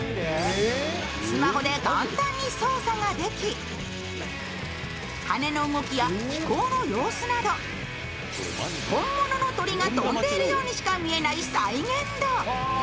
スマホで簡単に操作ができ、羽の動きや飛行の様子など本物の鳥が飛んでいるようにしか見えない再現度。